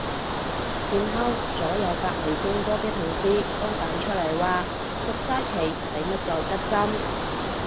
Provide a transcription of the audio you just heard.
然後左右隔離中過晒嘅同事都彈出嚟話續晒期使乜再拮針